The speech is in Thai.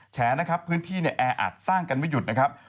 แฉนะครับพื้นที่เนี่ยแออัดสร้างกันไม่หยุดนะครับ